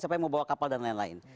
siapa yang mau bawa kapal dan lain lain